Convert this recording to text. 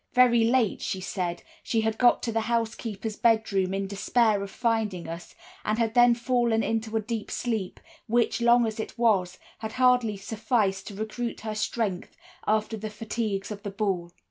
Very late, she said, she had got to the housekeeper's bedroom in despair of finding us, and had then fallen into a deep sleep which, long as it was, had hardly sufficed to recruit her strength after the fatigues of the ball.